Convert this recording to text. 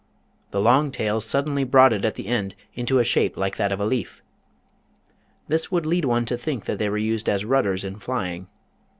The long tails suddenly broadened at the end inta a shape like that of a leaf. This would lead one to think that they were used as rudders in flying.